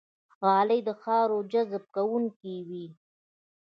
غالۍ د خاورو جذب کوونکې وي.